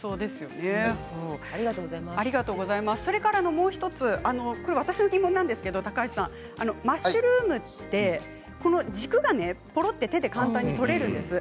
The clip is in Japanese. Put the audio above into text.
それから、もう１つ私の疑問ですがマッシュルームって軸がぽろって手で簡単に取れるんです。